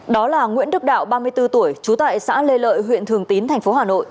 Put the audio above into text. đó là nguyễn đức đạo ba mươi bốn tuổi trú tại xã lê lợi huyện thường tín tp hcm